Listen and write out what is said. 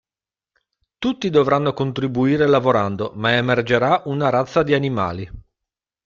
Tutti dovranno contribuire lavorando ma emergerà una razza di animali.